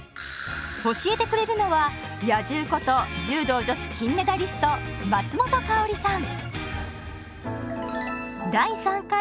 教えてくれるのは「野獣」こと柔道女子金メダリスト松本薫さん。